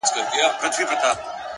عاجزي د لویوالي ښکلی انعکاس دی,